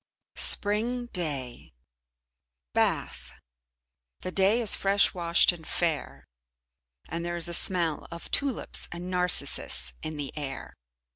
Spring Day Bath The day is fresh washed and fair, and there is a smell of tulips and narcissus in the air.